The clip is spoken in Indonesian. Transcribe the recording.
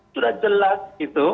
sudah jelas gitu